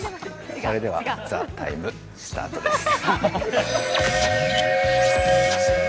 それでは「ＴＨＥＴＩＭＥ，」スタートです。